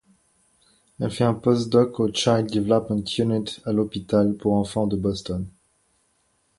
Elle fait un post-doc au Child Development Unit, à l'hôpital pour enfants de Boston.